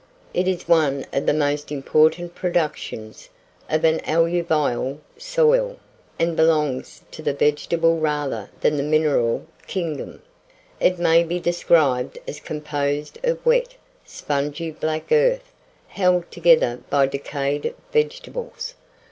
It is one of the most important productions of an alluvial soil, and belongs to the vegetable rather than the mineral kingdom. It may be described as composed of wet, spongy black earth, held together by decayed vegetables.